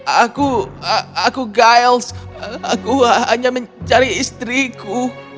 aku aku giles aku hanya mencari istriku